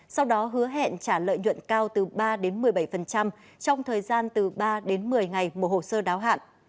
sau đó hứa hẹn trả lợi nhuận cao từ ba đến một mươi bảy trong thời gian từ ba đến một mươi ngày một hồ sơ đáo hạn